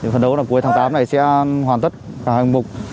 phần đấu cuối tháng tám này sẽ hoàn tất hành mục